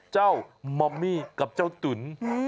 เจ้ามัมมี่กับเจ้าตุ๋น